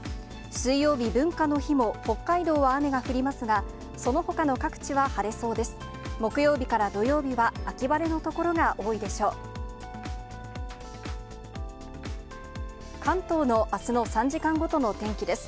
水曜日、文化の日も、北海道は雨が降りますが、そのほかの各地は晴れそうです。